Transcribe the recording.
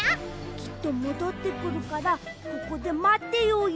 きっともどってくるからここでまってようよ。